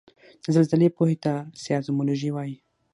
د زلزلې پوهې ته سایزمولوجي وايي